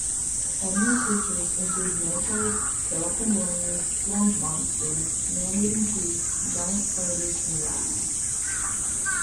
Enemy creatures include minotaurs, skeleton warriors, swamp monsters, man-eating trees, giant spiders and rats.